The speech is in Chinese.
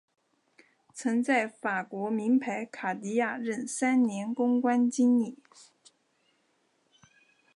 曾在法国名牌卡地亚任三年公关经理。